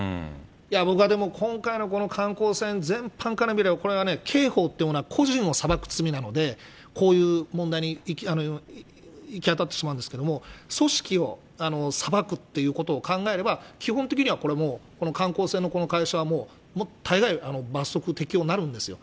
いや、僕はでも今回のこの観光船、全般から見れば、これはね、刑法ってものは個人を裁く罪なので、こういう問題に行き当ってしまうんですけれども、組織を裁くっていうことを考えれば、基本的にはこれ、観光船の会社はもう大概、罰則適用になるんですよ。